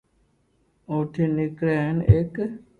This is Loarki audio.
او ِٺین نیڪریو ھین ایڪ